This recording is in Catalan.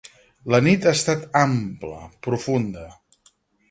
La nit ha estat ampla, profunda.